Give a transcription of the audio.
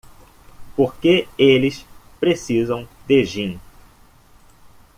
Por que eles precisam de gin?